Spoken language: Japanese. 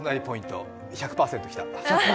１００％きた！